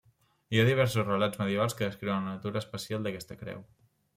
Hi ha diversos relats medievals que descriuen la natura especial d'aquesta creu.